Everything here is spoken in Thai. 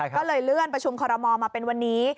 ก็เลยเลื่อนประชุมคอรมอลมาเป็นวันนี้